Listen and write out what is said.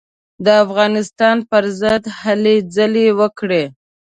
د افغانستان پر ضد هلې ځلې وکړې.